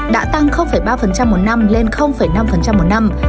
đã tăng ba một năm lên năm một năm